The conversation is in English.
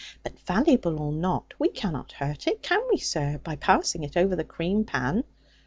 But valuable or not, we cannot hurt it, can we, sir, by passing it over the cream pan?'